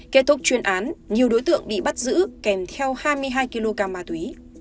kết thúc chuyên án nhiều đối tượng bị bắt giữ kèm theo hai mươi hai kg ma túy